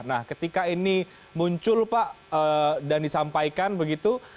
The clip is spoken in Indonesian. nah ketika ini muncul pak dan disampaikan begitu